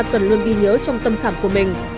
cần luôn ghi nhớ trong tâm khảm của mình